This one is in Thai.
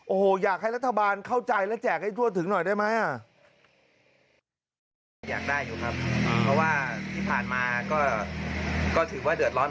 โอ้โหอยากให้รัฐบาลเข้าใจและแจกให้ทั่วถึงหน่อยได้ไหม